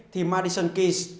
thì madison keynes sẽ đánh bại